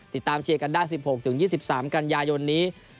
ติดตามเชียร์กันได้๑๖๒๓กันยายนนี้